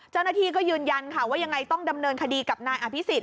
เจ้าหน้าที่ก็ยืนยันค่ะว่ายังไงต้องดำเนินคดีกับนายอภิษฎ